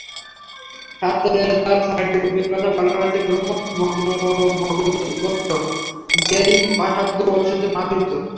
শাস্ত্রে তাঁর ছয়টি রূপের কথা বলা হয়েছে—ব্রহ্মত্ব, ভগবত্ত্ব, জ্ঞেয়, আস্বাদ্য ঐশ্বর্য, মাধুর্য।